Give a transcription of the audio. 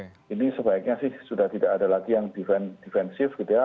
nah ini sebaiknya sih sudah tidak ada lagi yang defensif gitu ya